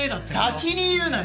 先に言うなよ！